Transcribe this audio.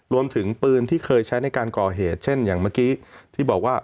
รวมถึงปืนที่เคยใช้ในการก่อเหตุเช่นอย่างเมื่อกี้ที่บอกว่า